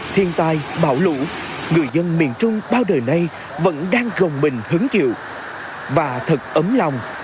thiên tai bão lũ người dân miền trung bao đời nay vẫn đang gồng mình hứng chịu và thật ấm lòng